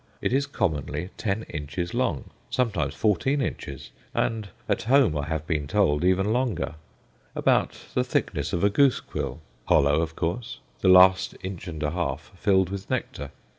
It is commonly ten inches long, sometimes fourteen inches, and at home, I have been told, even longer; about the thickness of a goose quill, hollow, of course, the last inch and a half filled with nectar.